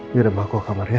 biarin mbak gue ke kamarnya